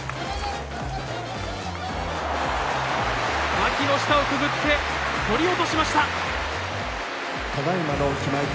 わきの下をくぐって反り落としました。